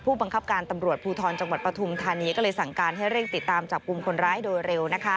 บังคับการตำรวจภูทรจังหวัดปฐุมธานีก็เลยสั่งการให้เร่งติดตามจับกลุ่มคนร้ายโดยเร็ว